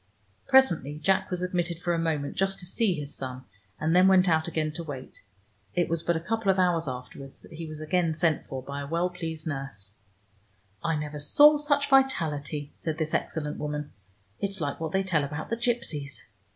Presently Jack was admitted for a moment just to see his son, and then went out again to wait. It was but a couple of hours afterwards that he was again sent for by a well pleased nurse. "I never saw such vitality," said this excellent woman. "It's like what they tell about the gipsies."